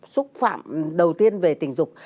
xúc phạm đầu tiên về tình dục